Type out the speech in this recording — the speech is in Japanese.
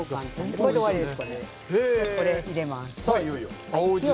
これで終わりです。